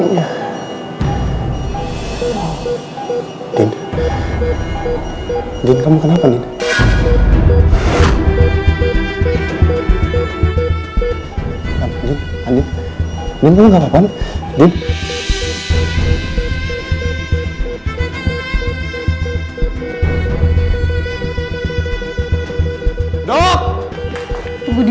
jangan siksa saya dengan rasa bersalah seperti ini